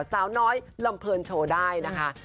สาวน้อยลำเพลินโชว์ได้นะคะ